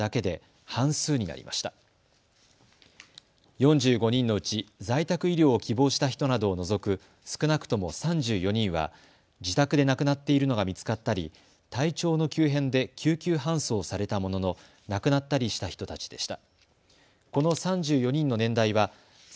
４５人のうち在宅医療を希望した人などを除く少なくとも３４人は自宅で亡くなっているのが見つかったり体調の急変で救急搬送されたものの亡くなったりした人たちでした。